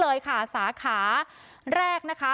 นี่เลยสาขาแรกนะคะ